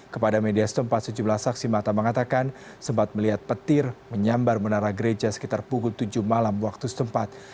kepada media setempat sejumlah saksi mata mengatakan sempat melihat petir menyambar menara gereja sekitar pukul tujuh malam waktu setempat